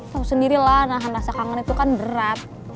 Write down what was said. tau sendiri lah nahan rasa kangen itu kan berat